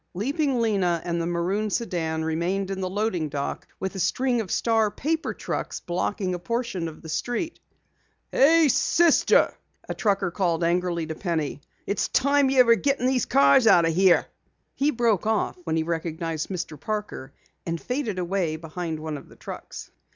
Leaping Lena and the maroon sedan remained in the loading dock with a string of Star paper trucks blocking a portion of the street. "Hey, sister," a trucker called angrily to Penny. "It's time you're getting these cars out of here." He broke off as he recognized Mr. Parker and faded behind one of the trucks.